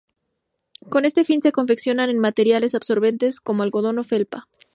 Con este fin se confeccionan en materiales absorbentes como algodón o felpa.